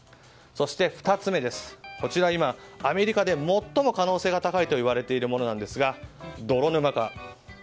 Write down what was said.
そして、２つ目はこちらはアメリカで今、最も可能性が高いといわれているものですが泥沼化。